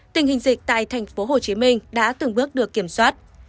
tình hình dịch tại thành phố hồ chí minh đã từng bước được kiểm soát